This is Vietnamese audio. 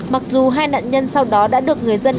mặc dù hai nạn nhân sau đó đã được người dân